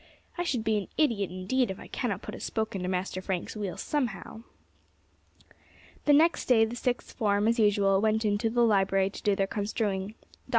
I should be an idiot indeed if I cannot put a spoke into Master Frank's wheel somehow." The next day the Sixth Form, as usual, went into the library to do their construing. Dr.